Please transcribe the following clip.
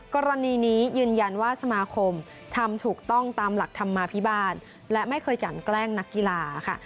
กรณีนี้ยืนยันว่าสมาคมทำถูกต้องตามหลักธรรมาภิบาลและไม่เคยกันแกล้งนักกีฬาค่ะ